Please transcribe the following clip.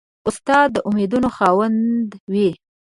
استاد د امیدونو خاوند وي.